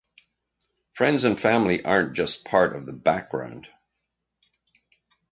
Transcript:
Friends and family aren’t just part of the background.